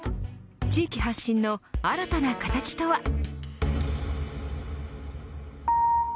地域発信の新たな形とは。